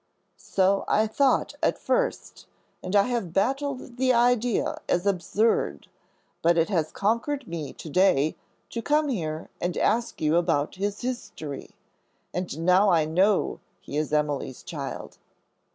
"So I thought at first, and I have battled the idea as absurd. But it has conquered me to day to come here and ask you about his history. And now I know he is Emily's child."